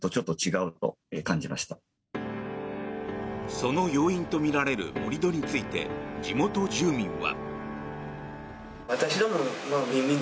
その要因とみられる盛り土について地元住民は。